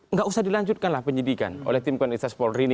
nggak usah dilanjutkanlah penyidikan oleh tim koneksitas polri ini